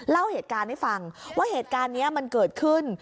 เล่าเหตุการณ์ให้ฟังว่าเหตุการณ์นี้มันเกิดขึ้น